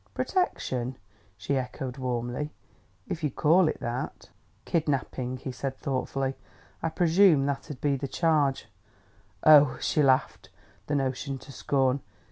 "Protection!" she echoed warmly. "If you call it that!" "Kidnapping," he said thoughtfully: "I presume that'd be the charge." "Oh!" She laughed the notion to scorn.